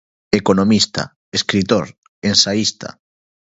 Economista, escritor, ensaísta.